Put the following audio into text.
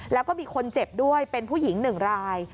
แล้วก็มีคนเจ็บด้วยเป็นผู้หญิง๑ราย